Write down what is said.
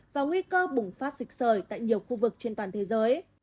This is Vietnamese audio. và nguy cơ bùng phát dịch sởi tại nhiều khu vực trên toàn thế giới